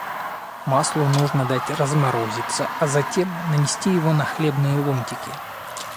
Маслу нужно дать разморозиться, а затем нанести его на хлебные ломтики.